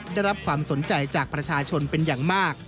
ได้รับความสนใจจากประชาชนเป็นอย่างมาก